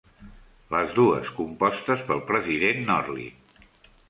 Les dues compostes pel president Norlin.